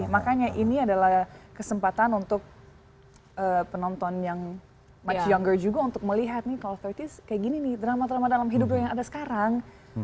makanya ini adalah kesempatan untuk penonton yang much younger juga untuk melihat nih kalau tiga puluh 's kayak gini nih drama drama dalam hidup lo yang ada sekarang